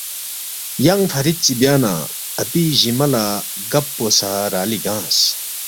ینگ فرِت چی بیا نہ اپی جِنگمہ لہ گب پو سہ رالی گنگس